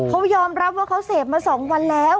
เขายอมรับว่าเขาเสพมา๒วันแล้ว